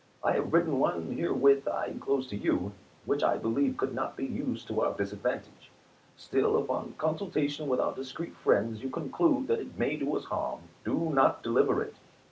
I have written one which herewith I inclose to you, and. which I believe could not be used to our disadvantage. Still, if on consultation with our dis creet friends you conclude that it may do us harm, do not deliver it.